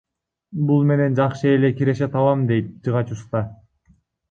Бул менен жакшы эле киреше табам, — дейт жыгач уста.